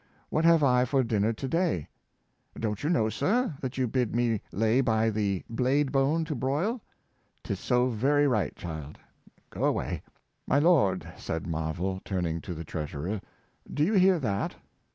What have I for dinner to day? " Don't you know, sir, that you bid me lay by the blade bone to broil? ''" 'Tis so, very right, child; go away." '' My lord, said Marvell, turning to the treasurer, " do you hear that?